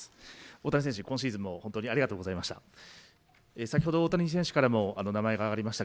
大谷選手、今シーズンも本当にありがとうございました。